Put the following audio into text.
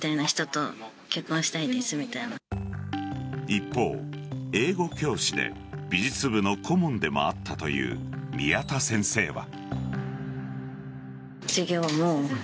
一方、英語教師で美術部の顧問でもあったという宮田先生は。